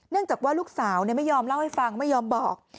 จากว่าลูกสาวไม่ยอมเล่าให้ฟังไม่ยอมบอก